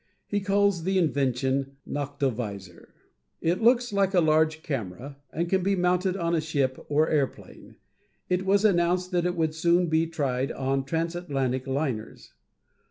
He calls the invention "Noctovisor." It looks like a large camera and can be mounted on a ship or airplane. It was announced that it would soon be tried on trans Atlantic liners.